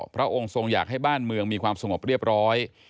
พระองค์ทรงอยากให้บ้านเมืองมีความสงบเรียบร้อย